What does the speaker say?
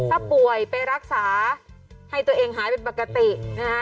ถ้าป่วยไปรักษาให้ตัวเองหายเป็นปกตินะฮะ